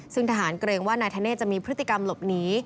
ซึ่งทหารเกรงว่านายธเนธจะมีพฤติกรรมหลบหนี